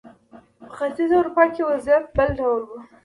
په ختیځه اروپا کې وضعیت بل ډول و.